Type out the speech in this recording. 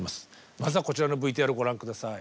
まずはこちらのＶＴＲご覧下さい。